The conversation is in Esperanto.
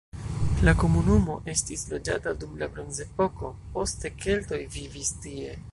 La komunumo estis loĝata dum la bronzepoko, poste keltoj vivis tie.